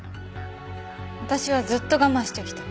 私はずっと我慢してきた。